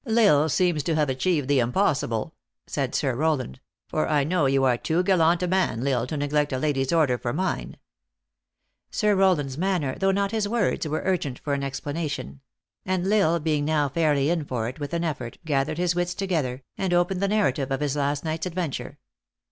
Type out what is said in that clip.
u L Isle seems to have achieved the impossible," said Sir Rowland ;" for I know you are too gallant a man, L Isle, to neglect a lady s order for mine." Sir Rowland s manner, though not his words, were urgent for an explanation ; and L Isle being now fairly in for it, with an effort, gathered his wits to gether, and opened the narrative of his last night s adventure.